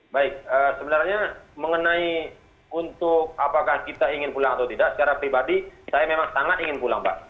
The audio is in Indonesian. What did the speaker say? baik sebenarnya mengenai untuk apakah kita ingin pulang atau tidak secara pribadi saya memang sangat ingin pulang pak